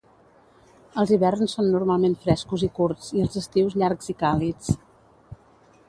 Els hiverns són normalment frescos i curts i els estius llargs i càlids.